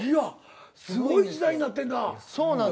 すごい時代になってんな。